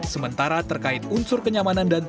sementara terkait unsur kenyamanan dan keamanan